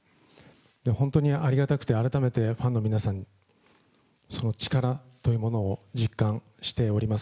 本当にありがたくて、改めてファンの皆さん、その力というものを実感しております。